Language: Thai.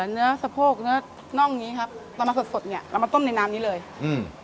เนื้อสะโพกเนื้อน่องอย่างงี้ครับเรามาสดสดเนี้ยเรามาต้มในน้ำนี้เลยอืม